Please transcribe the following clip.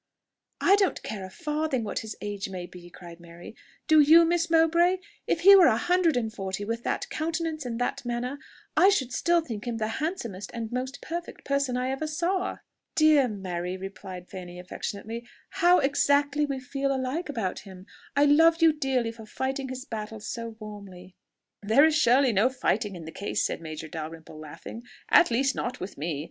"I don't care a farthing what his age maybe," cried Mary; "do you, Miss Mowbray?... If he were a hundred and forty, with that countenance and that manner, I should still think him the handsomest and most perfect person I ever saw." "Dear Mary!" replied Fanny affectionately, "how exactly we feel alike about him! I love you dearly for fighting his battles so warmly." "There is surely no fighting in the case," said Major Dalrymple, laughing, "at least not with me.